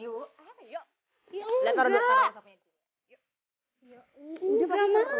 udah paketan tuh